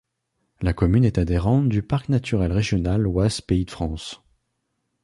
La commune est adhérente du parc naturel régional Oise-Pays de France.